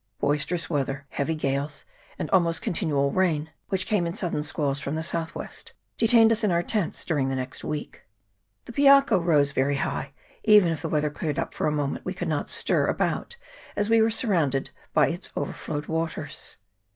Boisterous weather, heavy gales, and almost continual rain, which came in sudden squalls from the S.W., detained us in our tents during nearly a week. The Piako rose very high ; even if the weather cleared up for a moment, we could not stir about, as we were surrounded by itsover flowed waters.